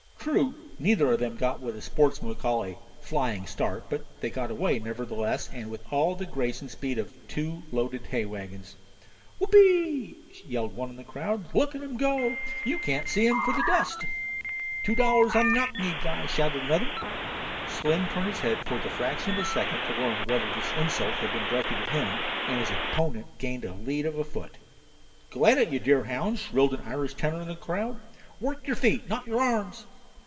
True, neither of them got what sportsmen would call "a flying start," but they got away, nevertheless, and with all the grace and speed of two loaded hay wagons. "Whoopee!" yelled one in the crowd. "Look at 'em go! You can't see 'em for dust!" "Two dollars on the knock kneed guy," shouted another. Slim turned his head for the fraction of a second to learn whether this insult had been directed at him, and his opponent gained a lead of a foot. "Go it, you deerhounds," shrilled an Irish tenor in the crowd. "Work your feet, not your arms."